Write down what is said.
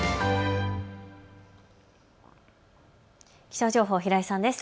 気象情報、平井さんです。